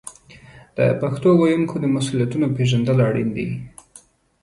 د پښتو ویونکو د مسوولیتونو پیژندل اړین دي.